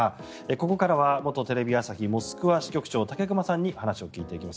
ここからは元テレビ朝日モスクワ支局長武隈さんにお話を聞いていきます。